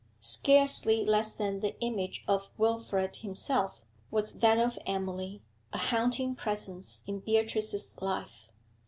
Scarcely less than the image of Wilfrid himself was that of Emily a haunting presence in Beatrice's life.